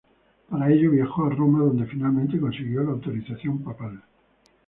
Para ello viajó a Roma, donde finalmente consiguió la autorización papal.